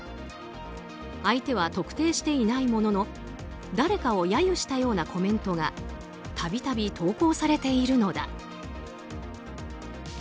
相手を特定していないものの誰かを揶揄したようなコメントが度々投稿されているのだ。